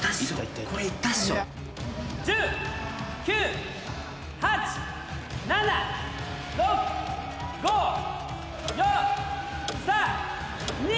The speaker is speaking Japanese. １０・９・８・７・６・５・４・３・２・１。